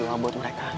berdua buat mereka